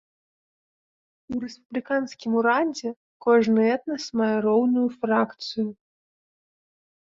У рэспубліканскім урадзе кожны этнас мае роўную фракцыю.